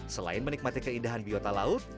selain menikmati keindahan biota laut